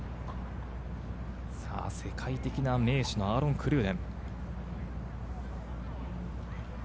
世界的な名手のアーロン・クルーデン。